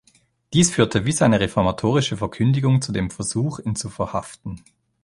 Dies führte wie seine reformatorische Verkündigung zu dem Versuch, ihn zu verhaften.